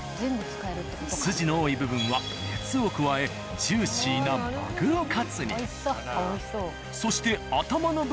筋の多い部分は熱を加えジューシーなまぐろカツに。